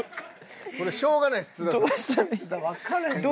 これしょうがないです津田さん。